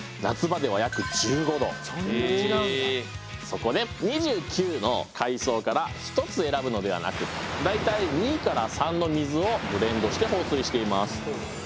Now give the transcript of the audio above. そこで２９の階層から１つ選ぶのではなく大体２から３の水をブレンドして放水しています。